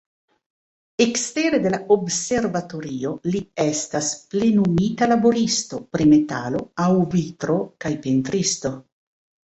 Ekstere de la observatorio, li estas plenumita laboristo pri metalo aŭ vitro kaj pentristo.